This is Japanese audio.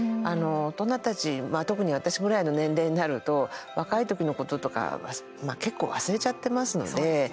大人たち、特に私ぐらいの年齢になると、若い時のこととか結構、忘れちゃっていますので。